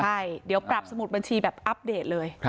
ใช่เดี๋ยวปรับสมุดบัญชีแบบอัปเดตเลย